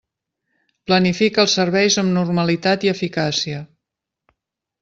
Planifica els serveis amb normalitat i eficàcia.